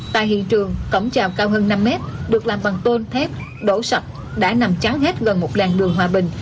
tại hiện trường cổng chào cao hơn năm m được làm bằng tôn thép đổ sập đã nằm cháo hết gần một làn đường hòa bình